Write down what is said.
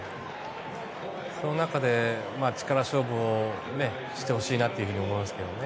その中で力勝負をしてほしいなと思いますけどね。